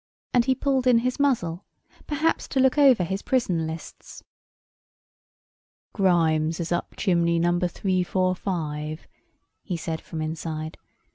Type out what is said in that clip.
And he pulled in his muzzle, perhaps to look over his prison lists. "Grimes is up chimney No. 345," he said from inside.